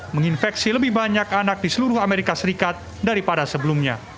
menginfeksi lebih banyak anak di seluruh amerika serikat daripada sebelumnya